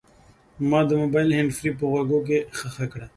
ما د موبایل هینډفري په غوږونو کې ښخه کړه.